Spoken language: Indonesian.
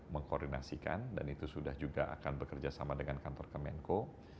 mengkoordinasikan dan itu sudah juga akan bekerja sama dengan kantor kemenko